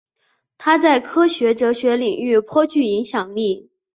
他在科学哲学领域颇具影响力。